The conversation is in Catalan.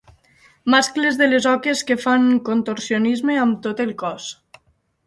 Mascles de les oques que fan contorsionisme amb tot el cos.